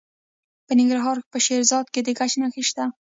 د ننګرهار په شیرزاد کې د ګچ نښې شته.